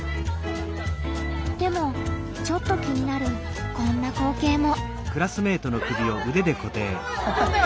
でもちょっと気になるこんな光けいも。